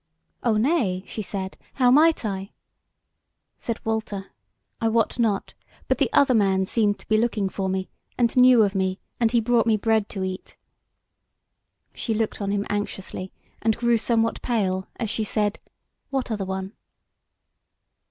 "O nay," she said; "how might I?" Said Walter: "I wot not; but the other man seemed to be looking for me, and knew of me, and he brought me bread to eat." She looked on him anxiously, and grew somewhat pale, as she said: "What other one?"